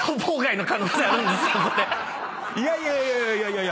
いやいやいやいや。